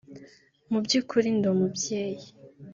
Mu by’ukuri ndi umubyeyi